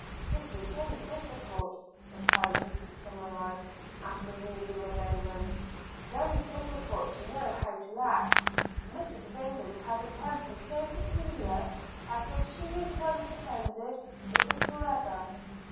'It is very difficult,' replied Mr Somerive after musing a moment, 'very difficult to know how to act: Mrs Rayland has a temper so peculiar, that if she is once offended, it is for ever.